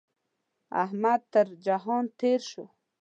احمد تر جهان تېر شو.